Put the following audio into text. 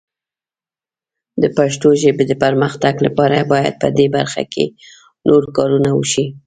د پښتو ژبې د پرمختګ لپاره باید په دې برخه کې نور کارونه وشي.